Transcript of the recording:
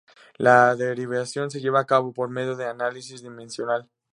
La derivación se lleva a cabo por medio del análisis dimensional.